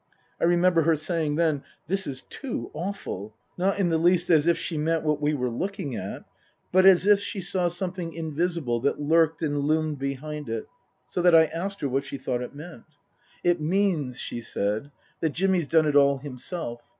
I remember her saying then, " This is too awful !" not in the least as if she meant what we were looking at, but as if she saw something invisible that lurked and loomed behind it, so that I asked her what she thought it meant. Book II : Her Book 191 " It means," she said, " that Jimmy's done it all him self.